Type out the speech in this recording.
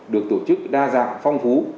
được tổ chức đa dạng phong phú